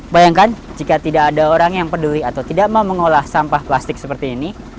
bayangkan jika tidak ada orang yang peduli atau tidak mau mengolah sampah plastik seperti ini